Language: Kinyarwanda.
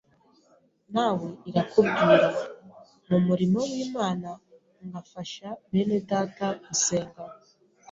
nawe irakubwira. Mu murimo w’Imana ngafasha benedata gusenga,